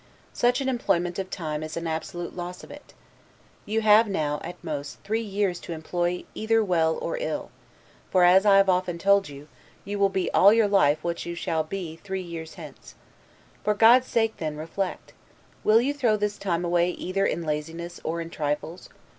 Such an employment of time is an absolute loss of it. You have now, at most, three years to employ either well or ill; for, as I have often told you, you will be all your life what you shall be three years hence. For God's sake then reflect. Will you throw this time away either in laziness, or in trifles?